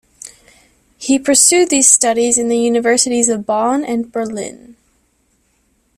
He pursued these studies in the universities of Bonn and Berlin.